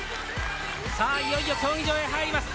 さあいよいよ競技場へ入ります。